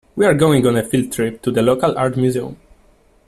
We're going on a field trip to the local art museum.